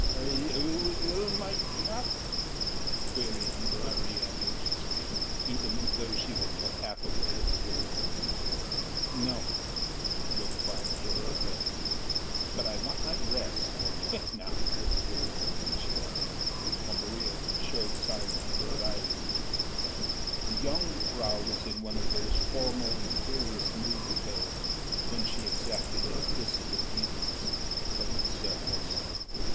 "Are you ill, mejuffrouw?" queried Maria anxiously even though she was but half awake. "No," replied Gilda curtly, "but I want my dress quick now," she added, for Maria showed signs of desiring to protest. The jongejuffrouw was in one of those former imperious moods of hers when she exacted implicit obedience from her servants.